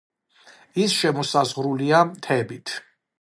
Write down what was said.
ის შემოსაზღვრულია მთებით.